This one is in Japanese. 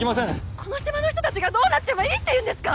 この島の人たちがどうなってもいいっていうんですか！？